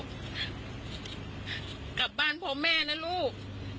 กลับบ้านพ่อแม่นะลูก